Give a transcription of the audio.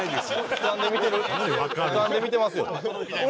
俯瞰で見てますよ。